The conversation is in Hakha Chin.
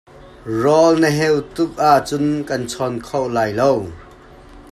Rawl na heu tuk ahcun kaan cawm kho lai lo.